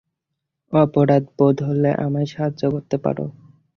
অপরাধবোধ হলে আমায় সাহায্য করতে পারো।